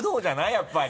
やっぱり。